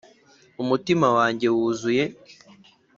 umutima wanjye wuzuye.